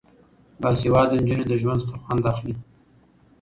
باسواده نجونې له ژوند څخه خوند اخلي.